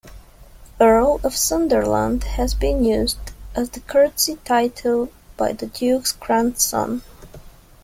Earl of Sunderland has been used as the courtesy title by the Duke's grandson.